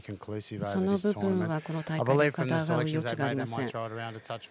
その部分はこの戦いに疑う余地はありません。